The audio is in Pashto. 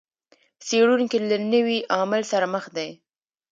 څېړونکي له نوي عامل سره مخ دي.